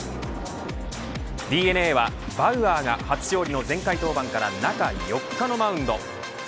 ＤｅＮＡはバウアーが初勝利の前回登板から中４日のマウンド。